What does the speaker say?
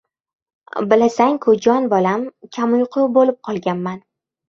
— Bilasan-ku, jon bolam, kamuyqu bo‘lib qolganman.